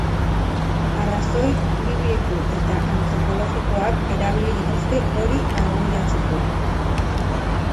Arrazoi bibliko eta antropologikoak erabili dituzte hori argudiatzeko.